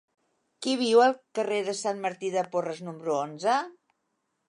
Qui viu al carrer de Sant Martí de Porres número onze?